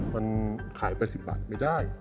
มันขาย๘๐บาทไม่ได้